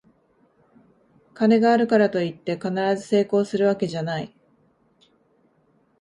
金があるからといって必ず成功するわけじゃない